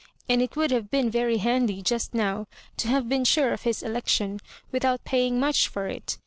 And it would have been very handy just now to have been sure of his election without paying much for it.